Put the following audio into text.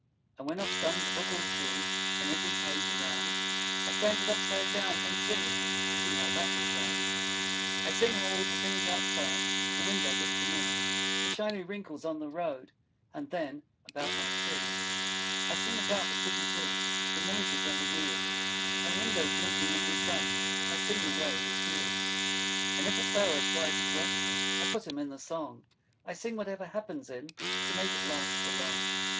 And when I've sung the book all through, And every page, around, I stand it upside down and sing, To see how that will sound. I sing how all the things outside The window look to me; The shiny wrinkles in the road, And then, about my Tree; [Illustration: THE GREEN SINGING BOOK] I sing about the City, too, The noises and the wheels; And Windows blinking in the sun; I sing the way it feels. And if a Sparrow flies across, I put him in the Song. I sing whatever happens in, To make it last for long.